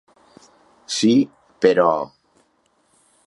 Sí, però...